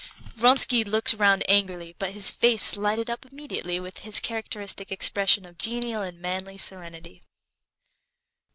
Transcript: Vronsky looked round angrily, but his face lighted up immediately with his characteristic expression of genial and manly serenity.